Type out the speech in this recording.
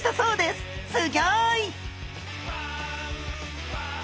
すギョい！